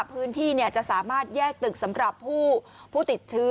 พื้นที่จะสามารถแยกตึกสำหรับผู้ติดเชื้อ